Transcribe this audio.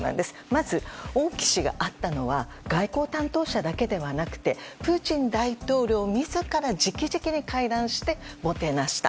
まず、王毅氏が会ったのは外交担当者だけではなくてプーチン大統領自ら直々に会談してもてなした。